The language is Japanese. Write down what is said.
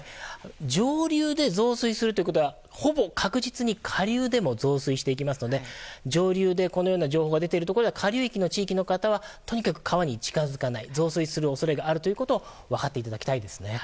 上流で増水するということはほぼ確実に下流でも増水していきますので上流でこのような情報が出ているところでは下流域の地域の方はとにかく川に近づかない増水する恐れがあるということを分かっていただきたいですね。